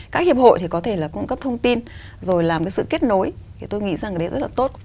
các hiệp hội thì có thể là cung cấp thông tin rồi làm cái sự kết nối thì tôi nghĩ rằng ở đây rất là tốt